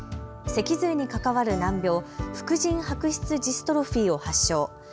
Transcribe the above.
脊髄に関わる難病、副腎白質ジストロフィーを発症。